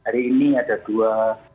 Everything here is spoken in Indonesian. hari ini ada dua